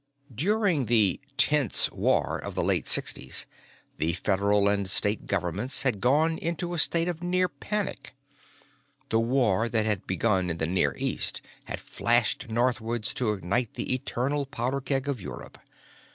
During the "Tense War" of the late Sixties, the Federal and State governments had gone into a state of near panic. The war that had begun in the Near East had flashed northwards to ignite the eternal Powder Keg of Europe.